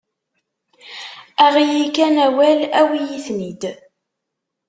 Aɣ-iyi kan awal, awi-yi-ten-id.